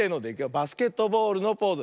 バスケットボールのポーズ。